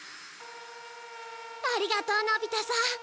ありがとうのび太さん。